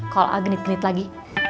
kalau a genit genit lagi